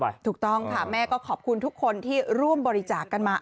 ถูกต้องค่ะแม่ก็ขอบคุณทุกคนที่ร่วมบริจาคกันมา